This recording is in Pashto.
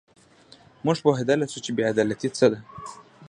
موږ پوهېدلای شو چې بې عدالتي څه ده.